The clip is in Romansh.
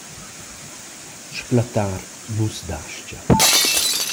Splattar nu’s das-cha.